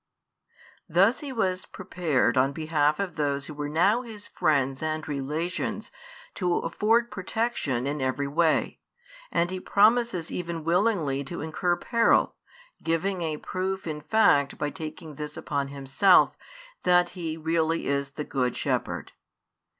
Thus He was prepared on behalf of those who were now His friends and relations to afford protection in every way, and He promises even willingly to incur peril, giving a proof in fact by taking this upon Himself that He really is the Good Shepherd.